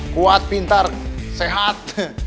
kuat pintar sehat